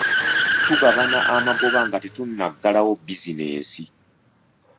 Tugabana amagoba nga tetunnaggalawo bizinensi.